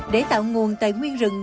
để tạo nguồn tài nguyên rừng